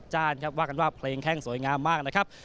ฮครับ